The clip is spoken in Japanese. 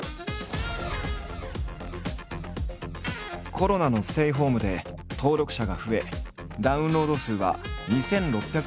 コロナのステイホームで登録者が増えダウンロード数は２，６００万を超える。